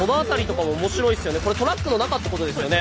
これトラックの中ってことですよね。